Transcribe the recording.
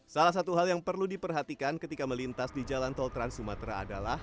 salah satu hal yang perlu diperhatikan ketika melintas di jalan tol trans sumatera adalah